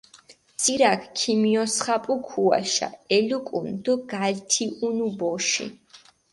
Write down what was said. ცირაქჷ ქიმიოსხაპუ ქუაშა, ელუკჷნჷ დო გაითიჸუნუ ბოში.